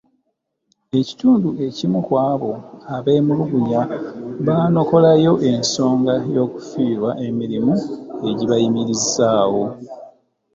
Ekitundu ekimu ku abo abeemulugunya baanokolayo ensonga y’okufiirwa emirimu egibayimirizaawo.